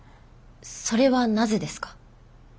それはなぜですか？